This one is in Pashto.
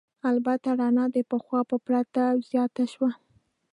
البته رڼا د پخوا په پرتله زیاته شوه.